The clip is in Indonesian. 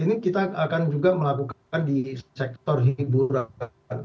ini kita akan juga melakukan di sektor hiburan